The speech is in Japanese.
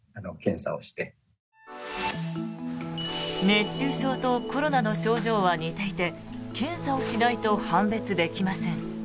熱中症とコロナの症状は似ていて検査をしないと判別できません。